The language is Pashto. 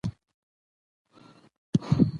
ښوونه د ناپوهۍ پر وړاندې مبارزه ده